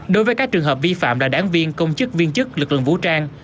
đối với các trường hợp vi phạm là đáng viên công chức viên chức lực lượng vũ trang